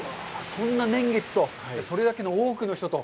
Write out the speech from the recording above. そんな年月と、それだけの多くの人と。